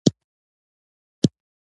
شېرګل وويل دوی به دې ووژني.